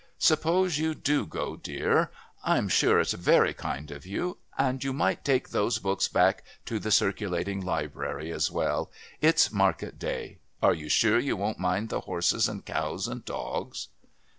"Suppose you do go, dear. I'm sure it's very kind of you. And you might take those books back to the Circulating Library as well. It's Market Day. Are you sure you won't mind the horses and cows and dogs?"